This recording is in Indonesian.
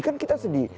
kan kita sedih